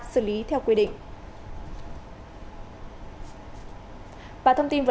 xử lý theo quy định